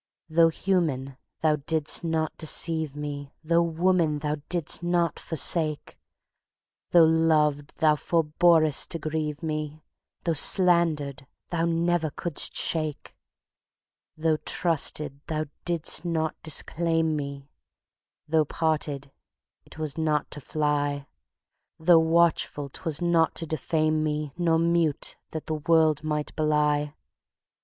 Though human, thou didst not deceive me, Though woman, thou didst not forsake, Though loved, thou forborest to grieve me, Though slander'd, thou never couldst shake; Though trusted, thou didst not disclaim me, Though parted, it was not to fly, Though watchful, 'twas not to defame me, Nor, mute, that the world might belie.